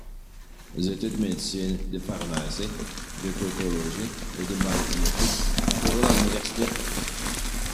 Les études de médecine, de pharmacie, d'odontologie et de maïeutique se déroulent à l’université.